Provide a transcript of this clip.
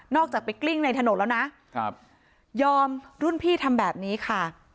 จากไปกลิ้งในถนนแล้วนะครับยอมรุ่นพี่ทำแบบนี้ค่ะ